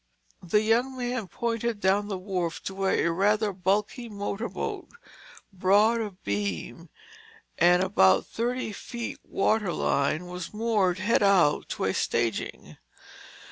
The young man pointed down the wharf to where a rather bulky motor boat, broad of beam and about thirty feet waterline was moored head out to a staging.